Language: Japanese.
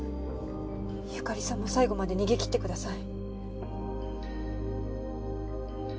由香里さんも最後まで逃げ切ってください。